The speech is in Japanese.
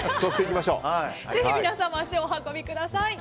ぜひ皆さんも足をお運びください。